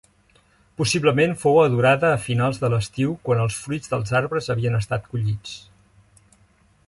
Possiblement fou adorada a finals de l'estiu quan els fruits dels arbres havien estat collits.